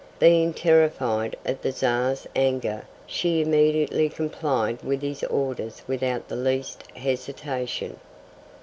Being terrified at the Czar's anger she immediately complied with his orders without the least hesitation.